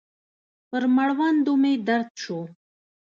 پر مړوندو مې درد سو.